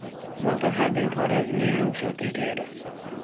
Walter had been part of New York’s Open Theatre.